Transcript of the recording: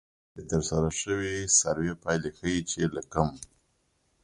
د ترسره شوې سروې پایلې ښيي چې له کم